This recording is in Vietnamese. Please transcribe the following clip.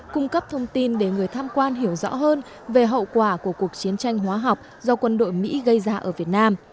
cung cấp thông tin để người tham quan hiểu rõ hơn về hậu quả của cuộc chiến tranh hóa học do quân đội mỹ gây ra ở việt nam